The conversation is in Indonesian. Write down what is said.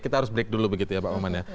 kita harus break dulu begitu ya pak oman ya